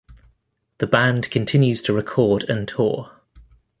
The band continues to record and tour.